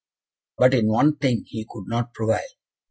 But in one thing he could not prevail.